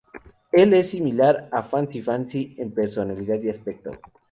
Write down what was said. Él es similar a Fancy-Fancy en personalidad y aspecto.